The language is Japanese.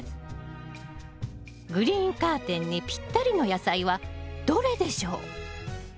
グリーンカーテンにぴったりの野菜はどれでしょう？